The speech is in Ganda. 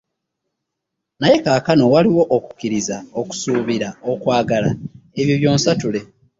Naye kaakano waliwo okukkiriza, okusuubira, okwagala, ebyo byonsntule.